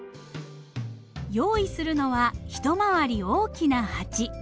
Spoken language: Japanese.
用意するのは一回り大きな鉢。